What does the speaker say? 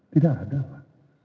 tidak ada lah